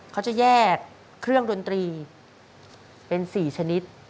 เขาจะแยกเครื่องดนตรีเป็น๔ชนิด